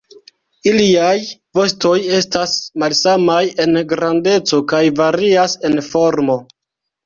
Iliaj vostoj estas malsamaj en grandeco kaj varias en formo.